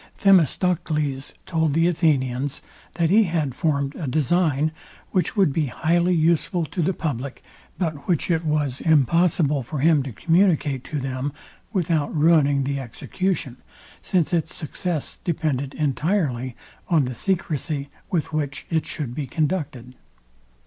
Themistocles told the Athenians, that he had formed a design, which would be highly useful to the public, but which it was impossible for him to communicate to them without ruining the execution, since its success depended entirely on the secrecy with which it should be conducted.